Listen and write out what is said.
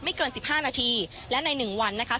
เกินสิบห้านาทีและในหนึ่งวันนะคะ